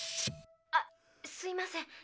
あすいません。